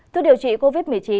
thuộc điều trị covid một mươi chín